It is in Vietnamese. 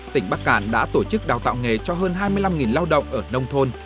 tỉnh bắc cạn đã tổ chức đào tạo nghề cho hơn hai mươi năm lao động ở nông thôn